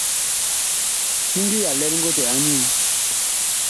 Siŋgi ya lɛl ngotɛ a nyuú.